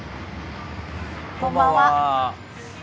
こんばんは。